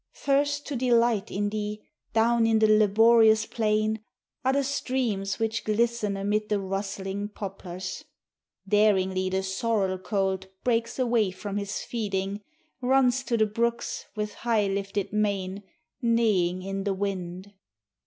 First to delight in thee, down in the laborious plain, Are the streams which glisten amid the rustling poplars. Daringly the sorrel colt breaks away from his feeding, Runs to the brooks with high lifted mane, neighing in the wind.